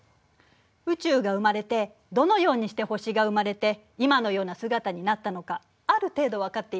宇宙が生まれてどのようにして星が生まれて今のような姿になったのかある程度分かっているの。